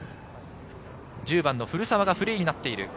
１０番・古澤がフリーになっている。